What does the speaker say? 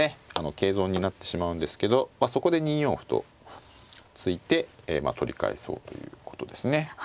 桂損になってしまうんですけどそこで２四歩と突いて取り返そうということですね。